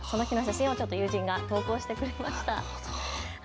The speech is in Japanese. その日の写真を友人が投稿してくれました。